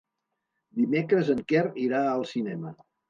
Dimecres en Quer irà al cinema.